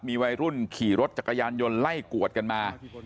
มีวัยรุ่นขี่รถจักรยานยนต์ไล่กวดกันมา